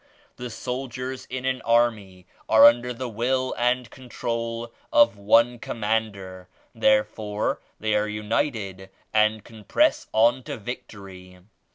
The soldiers in an army are under the will and con trol of one commander; therefore they are united and can press on to victory.